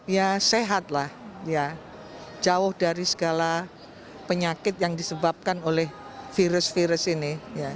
ya sehatlah jauh dari segala penyakit yang disebabkan oleh virus virus ini